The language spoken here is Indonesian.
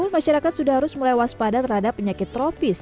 masyarakat sudah harus melewas padat terhadap penyakit tropis